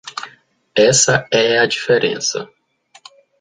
Essa é a diferença.